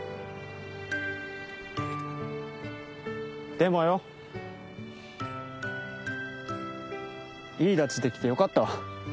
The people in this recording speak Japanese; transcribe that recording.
でもよいいダチできてよかったわ！